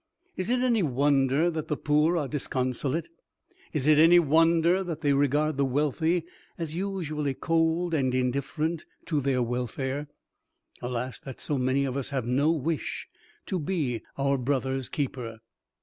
Is it any wonder that the poor are disconsolate? Is it any wonder that they regard the wealthy as usually cold and indifferent to their welfare? Alas! that so many of us have no wish to be our "brother's keeper."